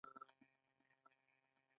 خو په عمل کې وینو چې داسې هیڅکله نه ده.